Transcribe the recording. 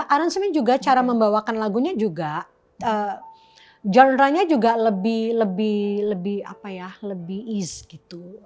aran sumin juga cara membawakan lagunya juga genre nya juga lebih apa ya lebih east gitu